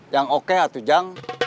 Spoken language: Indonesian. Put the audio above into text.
yang oke atujang